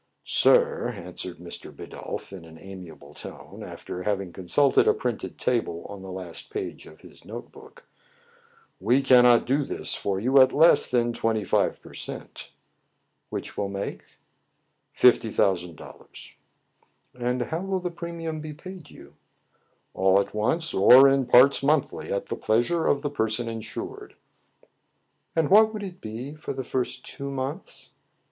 "Sir," answered Mr. Bidulph in an amiable tone, after having consulted a printed table on the last page of his note book, " we cannot do this for you at less than twenty five per cent." " Which will make .?"" Fifty thousand dollars." " And how will the premium be paid you }"" All at once, or in parts monthly, at the pleas ure of the person insured." "And what would it be for the first two months